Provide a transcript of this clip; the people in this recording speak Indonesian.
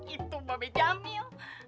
itu mbak be jamil